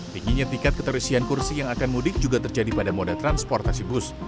tingginya tingkat keterisian kursi yang akan mudik juga terjadi pada moda transportasi bus